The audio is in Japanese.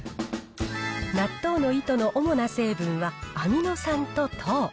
納豆の糸の主な成分はアミノ酸と糖。